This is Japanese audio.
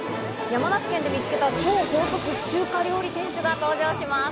山梨県で見つけた超高速中華料理店主が登場します。